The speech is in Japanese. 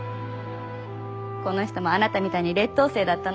この人もあなたみたいに劣等生だったのよ。